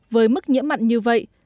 với mức nhiễm mặn như vậy